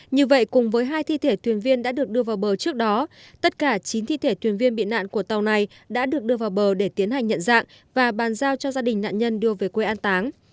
như vậy cùng với hai thi thể thuyền viên đã được đưa vào bờ trước đó tất cả chín thi thể thuyền viên bị nạn của tàu này đã được đưa vào bờ để tiến hành nhận dạng và bàn giao cho gia đình nạn nhân đưa về quê an táng